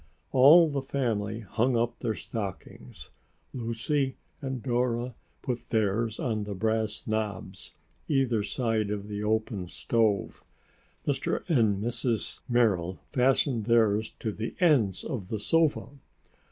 All the family hung up their stockings. Lucy and Dora put theirs on the brass knobs either side of the open stove. Mr. and Mrs. Merrill fastened theirs to the ends of the sofa.